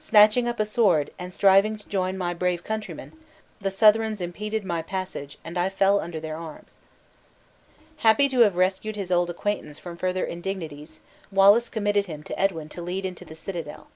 Snatching up a sword, and striving to join my brave countrymen, the Southrons impeded my passage, and I fell under their arms." Happy to have rescued his old acquaintance from further indignities, Wallace committed him to Edwin to lead into the citadel.